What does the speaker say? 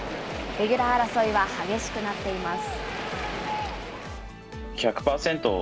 レギュラー争いは激しくなっています。